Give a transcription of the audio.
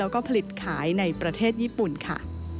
แล้วก็ผลิตขายในประเทศญี่ปุ่นค่ะ